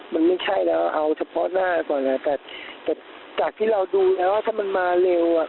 มันไม่ใช่แล้วเอาเฉพาะหน้าก่อนแต่จากที่เราดูแล้วว่าถ้ามันมาเร็วอ่ะ